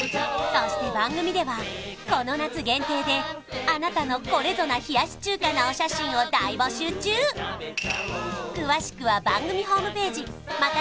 そして番組ではこの夏限定であなたのこれぞな冷やし中華のお写真を大募集中よろしくお願いします